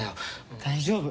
大丈夫。